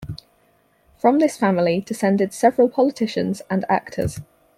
From this family descended several politicians and actors.